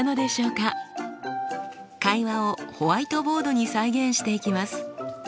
会話をホワイトボードに再現していきます。